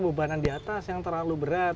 bebanan di atas yang terlalu berat